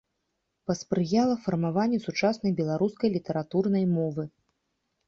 Паспрыяла фармаванню сучаснай беларускай літаратурнай мовы.